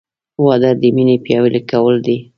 • واده د مینې پیاوړی کول دي.